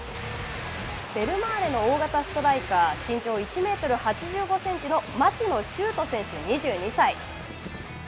ベルマーレの大型ストライカー、身長１メートル８５センチの町野修斗選手２２歳。